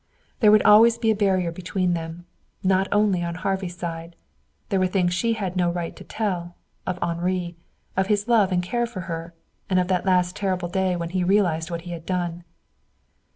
There would always be a barrier between them. Not only on Harvey's side. There were things she had no right to tell of Henri, of his love and care for her, and of that last terrible day when he realized what he had done.